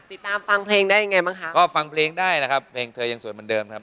ติดตามฟังเพลงได้ยังไงบ้างคะก็ฟังเพลงได้นะครับเพลงเธอยังสวยเหมือนเดิมครับ